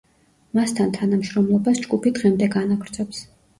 მასთან თანამშრომლობას ჯგუფი დღემდე განაგრძობს.